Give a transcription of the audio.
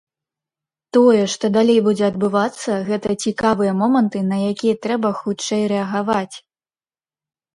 Тое, што далей будзе адбывацца, гэта цікавыя моманты, на якія трэба хутчэй рэагаваць.